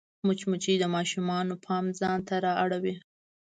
مچمچۍ د ماشومانو پام ځان ته رااړوي